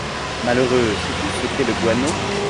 Malheureux, sais-tu ce que c’est que le guano ?